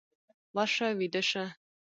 ورشه ويده شه!